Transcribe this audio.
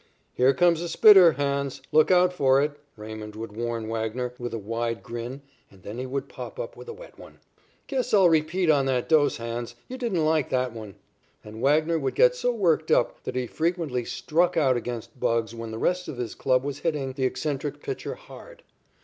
"Here comes a 'spitter,' Hans. Look out for it," Raymond would warn Wagner, with a wide grin, and then he would pop up a wet one. "Guess I'll repeat on that dose, Hans; you didn't like that one." And Wagner would get so worked up that he frequently struck out against "Bugs" when the rest of his club was hitting the eccentric pitcher hard.